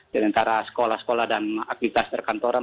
dan antara sekolah sekolah dan aktivitas terkantoran